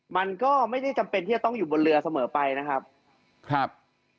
มันก็ไม่ได้จำเป็นที่จะต้องอยู่บนเรือเสมอไปนะครับครับ